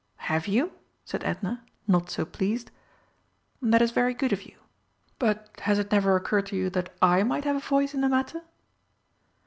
"Have you?" said Edna, not so pleased. "That is very good of you. But has it never occurred to you that I might have a voice in the matter?"